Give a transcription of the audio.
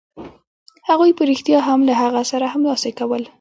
هغوی په رښتیا هم له هغه سره همداسې کول